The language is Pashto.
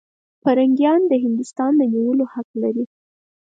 پیرنګیان د هندوستان د نیولو حق لري.